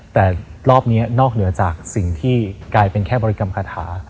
แต่รอบนี้นอกเหนือจากสิ่งที่กลายเป็นแค่บริกรรมคาถา